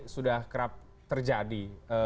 sudah kerap terjadi